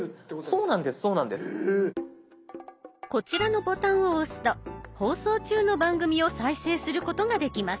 こちらのボタンを押すと放送中の番組を再生することができます。